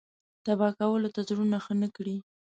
تبا کولو ته زړونه ښه نه کړي.